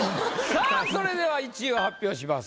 さあそれでは１位を発表します。